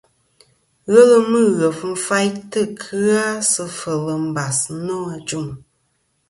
Ghelɨ Mughef fayntɨ kɨ-a sɨ fel mbas nô ajuŋ.